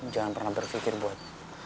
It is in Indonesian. jangan pernah berpikir buat